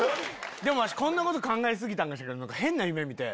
でもこんなこと考え過ぎたんか変な夢見て。